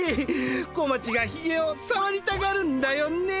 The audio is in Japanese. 小町がひげをさわりたがるんだよね。